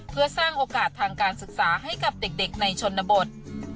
เพื่อสร้างโอกาสทางการศึกษาให้กับเด็กในชนบท